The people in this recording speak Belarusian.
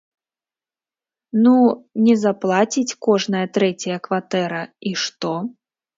Ну, не заплаціць кожная трэцяя кватэра, і што?